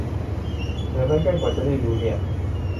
เหนื่อยเหมือนกัน กว่าจะได้ดูเนี่ย